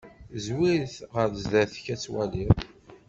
Zwir-it ɣer zdat-k ad t-twalliḍ.